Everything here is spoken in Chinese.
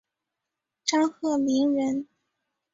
张鹤鸣人。